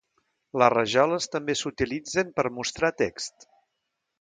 Les rajoles també s'utilitzen per mostrar text.